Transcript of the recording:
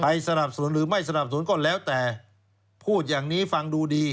สนับสนุนหรือไม่สนับสนุนก็แล้วแต่พูดอย่างนี้ฟังดูดี